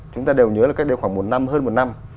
chúng ta đều nhớ là cách đây khoảng một năm hơn một năm